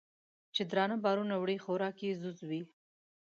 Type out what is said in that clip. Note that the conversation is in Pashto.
چې درانه بارونه وړي خوراک یې ځوځ وي